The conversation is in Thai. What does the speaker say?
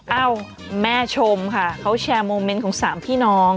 เอ้าแม่ชมค่ะเขาแชร์โมเมนต์ของสามพี่น้อง